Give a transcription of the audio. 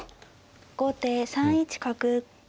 後手３一角。